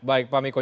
baik pak miko